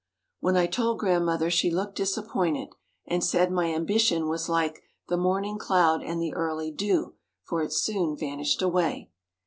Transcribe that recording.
When I told Grandmother she looked disappointed and said my ambition was like "the morning cloud and the early dew," for it soon vanished away.